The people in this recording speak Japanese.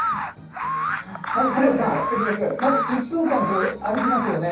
まず、鎌田さん１分間歩きますよね。